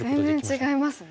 全然違いますね。